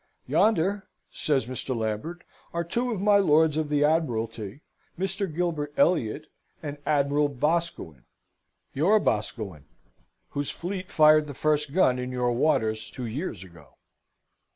"Yonder," says Mr. Lambert, "are two of my Lords of the Admiralty, Mr. Gilbert Elliot and Admiral Boscawen: your Boscawen, whose fleet fired the first gun in your waters two years ago.